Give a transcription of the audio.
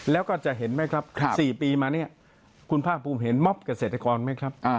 แล้วก็จะเห็นไหมครับ๔ปีมาเนี่ยคุณภาคภูมิเห็นมอบเกษตรกรไหมครับ